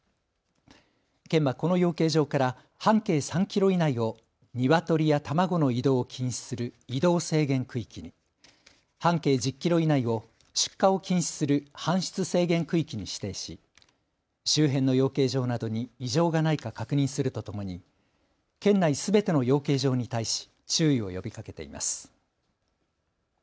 県はこの養鶏場から半径３キロ以内をニワトリや卵の移動を禁止する移動制限区域に、半径１０キロ以内を出荷を禁止する搬出制限区域に指定し周辺の養鶏場などに異常がないか確認するとともに県内すべての養鶏場に対し注意を呼びかけています。